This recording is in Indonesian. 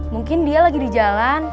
mungkin dia lagi di jalan